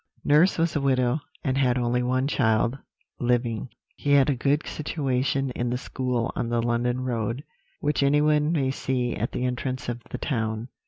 "Nurse was a widow, and had only one child living. He had a good situation in the school on the London road, which anyone may see at the entrance of the town.